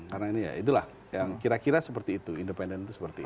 karena ini ya itulah yang kira kira seperti itu independen itu seperti itu